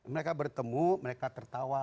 mereka bertemu mereka tertawa